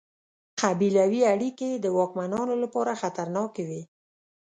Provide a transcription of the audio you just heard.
قبیلوي اړیکې یې د واکمنانو لپاره خطرناکې وې.